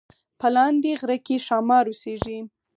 په لاندې غره کې ښامار اوسیږي